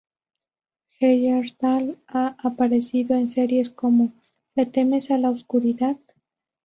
Heyerdahl ha aparecido en series como "¿Le temes a la oscuridad?